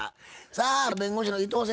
さあ弁護士の伊藤先生